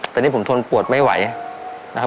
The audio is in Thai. แต่นี่ผมทนปวดไม่ไหวนะครับ